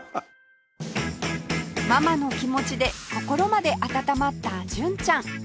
ママノキモチで心まで温まった純ちゃん